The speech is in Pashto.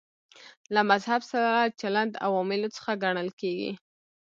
له مذهب سره چلند عواملو څخه ګڼل کېږي.